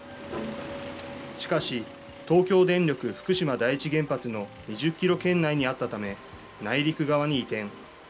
しかし、東京電力福島第一原発の２０キロ圏内にあったため、内陸側に移転。